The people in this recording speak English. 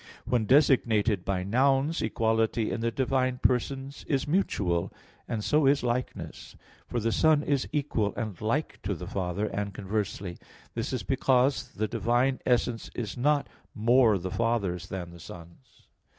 When designated by nouns, equality in the divine persons is mutual, and so is likeness; for the Son is equal and like to the Father, and conversely. This is because the divine essence is not more the Father's than the Son's.